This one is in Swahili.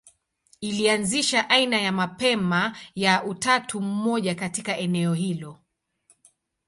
Ilianzisha aina ya mapema ya utatu mmoja katika eneo hilo.